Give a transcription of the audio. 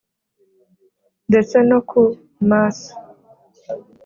ndetse no ku Masse